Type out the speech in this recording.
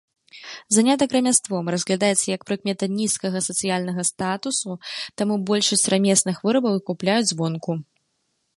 Занятак рамяством разглядаецца як прыкмета нізкага сацыяльнага статусу, таму большасць рамесных вырабаў купляюць звонку.